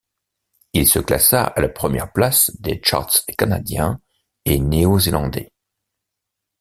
Il se classa à la première place des charts canadiens et néo-zélandais.